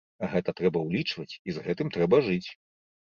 Гэта трэба ўлічваць і з гэтым трэба жыць.